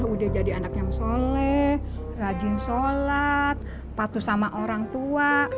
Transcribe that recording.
udah jadi anak yang soleh rajin sholat patuh sama orang tua